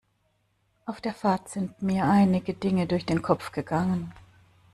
Auf der Fahrt sind mir einige Dinge durch den Kopf gegangen.